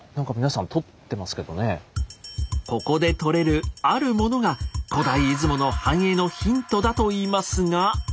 ここでとれるあるものが古代出雲の繁栄のヒントだといいますが。